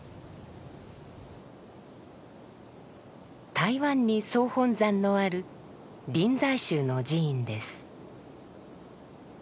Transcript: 台湾に総本山のある臨済宗の寺院です。